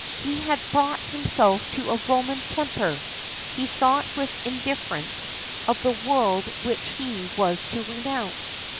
He had brought himself to a Roman temper. He thought with indifference of the world which he was to renounce.